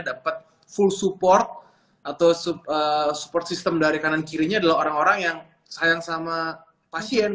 dapat full support atau support system dari kanan kirinya adalah orang orang yang sayang sama pasien